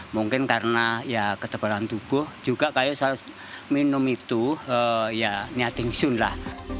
mungkin karena ketebalan tubuh juga saya harus minum itu ya nyatik sun lah